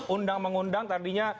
undang mengundang tadinya